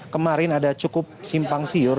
kemarin ada cukup simpang siur